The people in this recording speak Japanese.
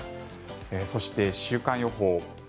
そして、週間予報。